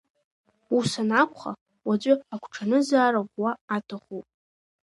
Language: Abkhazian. Ус анакәха, уаҵәы агәҽанызаара ӷәӷәа аҭахуп.